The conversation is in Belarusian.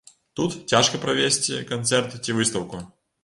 Тут цяжка правесці канцэрт ці выстаўку.